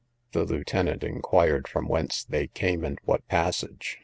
The lieutenant inquired from whence they came and what passage.